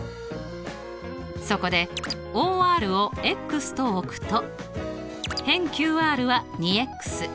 そこでＯＲをとおくと辺ＱＲは２。